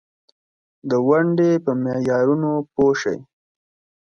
د کور په یوه کونج کې یوه لویه دوه ټایره ګاډۍ ولاړه وه.